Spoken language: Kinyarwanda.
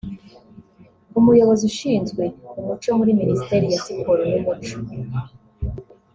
umuyobozi ushinzwe umuco muri Minisiteri ya Siporo n’umuco